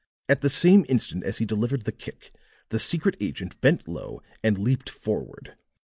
At the same instant as he delivered the kick, the secret agent bent low and leaped forward.